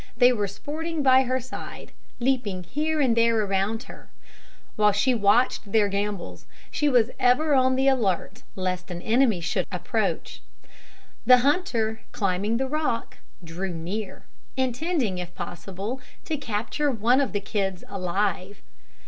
They were sporting by her side, leaping here and there around her. While she watched their gambols, she was ever on the alert lest an enemy should approach. The hunter, climbing the rock, drew near, intending, if possible, to capture one of the kids alive.